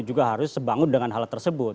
juga harus sebangun dengan hal tersebut